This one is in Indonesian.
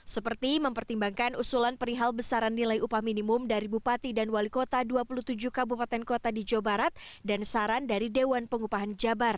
seperti mempertimbangkan usulan perihal besaran nilai upah minimum dari bupati dan wali kota dua puluh tujuh kabupaten kota di jawa barat dan saran dari dewan pengupahan jabar